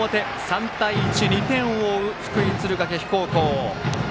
３対１、２点を追う福井・敦賀気比高校。